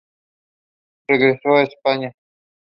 Regresó a España.